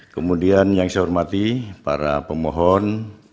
kemudian yang saya hormati para pemohon